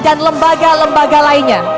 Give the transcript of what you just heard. dan lembaga lembaga lainnya